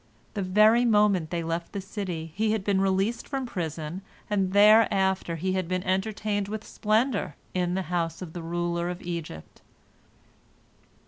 The very moment they left the city he had been released from prison, and thereafter he had been entertained with splendor in the house of the ruler of Egypt.